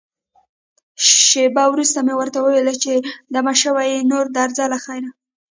شېبه وروسته مې ورته وویل، که دمه شوې یې، نو درځه له خیره.